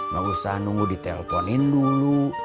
gak usah nunggu diteleponin dulu